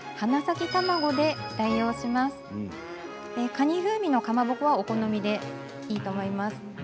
かに風味のかまぼこはお好みでいいと思います。